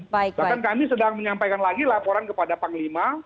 bahkan kami sedang menyampaikan lagi laporan kepada panglima